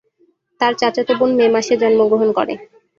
তার চাচাতো বোন মে মাসে জন্মগ্রহণ করে।